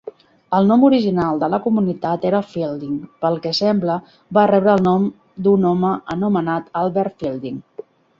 El nom original de la comunitat era Fielding. Pel que sembla, va rebre el nom d'un home anomenat Albert Fielding.